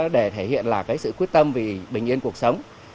để thể hiện là cái sự quyết tâm vì bình yên cuộc sống